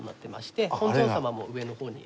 本尊様も上の方に。